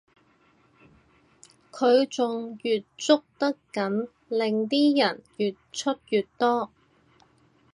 佢仲越捉得緊令啲人越出越多